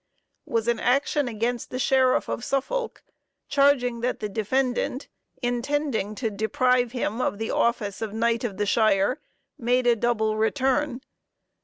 was an action against the sheriff of Suffolk, charging that the defendant, intending to deprive him of the office of Knight of the Shire, made a double return.